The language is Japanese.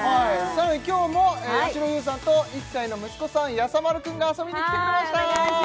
今日もやしろ優さんと１歳の息子さんやさ丸くんが遊びにきてくれました